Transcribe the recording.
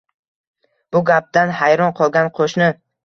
Bu gapdan hayron qolgan qoʻshni